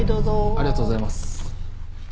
ありがとうございます。